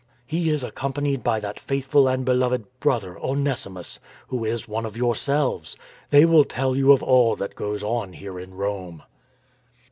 He is ac companied by that faithful and beloved brother, Onesi mus, who is one of yourselves. They will tell you of all that goes on here in Rome."